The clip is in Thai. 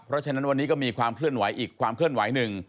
เพราะฉะนั้นวันนี้ก็มีความเคลื่อนไหวอีกความเคลื่อนไหวหนึ่ง